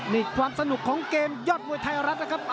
นี่ความสนุกของเกมยอดมวยไทยรัฐนะครับ